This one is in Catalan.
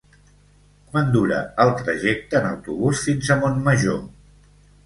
Quant dura el trajecte en autobús fins a Montmajor?